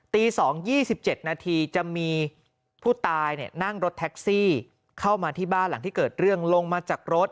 ตี๒๒๗นาทีจะมีผู้ตายนั่งรถแท็กซี่เข้ามาที่บ้านหลังที่เกิดเรื่องลงมาจากรถ